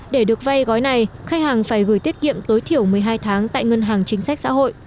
để được vay gói này khách hàng phải gửi tiết kiệm tối thiểu một mươi hai tháng tại ngân hàng chính sách xã hội